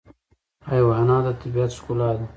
حیوانات د طبیعت ښکلا ده.